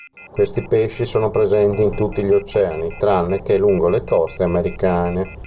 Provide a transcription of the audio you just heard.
Questi pesci sono presenti in tutti gli oceani tranne che lungo le coste americane.